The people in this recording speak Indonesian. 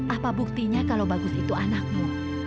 apa buktinya kalau bagus itu anakmu